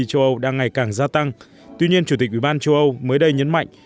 châu âu đang ngày càng gia tăng tuy nhiên chủ tịch ủy ban châu âu mới đây nhấn mạnh